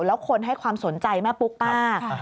แล้วคนให้ความสนใจแม่ปุ๊กป้า